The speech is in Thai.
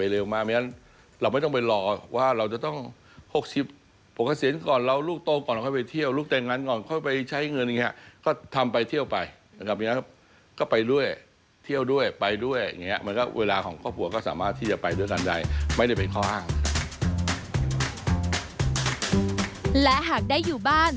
และหากได้อยู่บ้าน